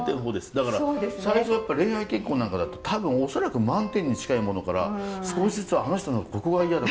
だから最初やっぱ恋愛結婚なんかだと多分恐らく満点に近いものから少しずつあの人のここが嫌だ